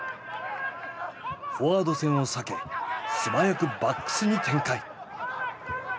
フォワード戦を避け素早くバックスに展開。